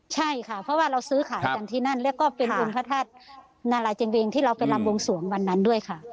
ใช่ค่ะเพราะว่าเราซื้อขายกันที่นั่นแล้วก็เป็นองค์พระธาตุนาราเจนเวงที่เราไปรำวงสวงวันนั้นด้วยค่ะ